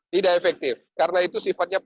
tidak efektif karena itu sifatnya